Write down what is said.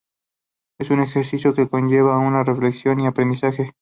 Es un ejercicio que conlleva una reflexión y un aprendizaje.